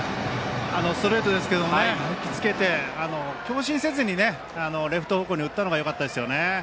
ストレートですけどね引きつけて強振せずにレフト方向に打ったのが、よかったですね。